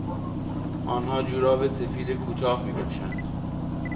آنها جوراب سفید کوتاه میپوشند.